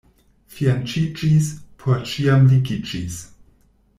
Fianĉiĝis — por ĉiam ligiĝis.